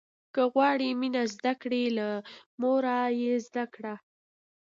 که غواړې مينه زده کړې، له موره يې زده کړه.